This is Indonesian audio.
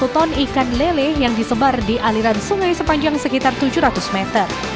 satu ton ikan lele yang disebar di aliran sungai sepanjang sekitar tujuh ratus meter